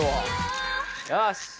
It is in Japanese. よし！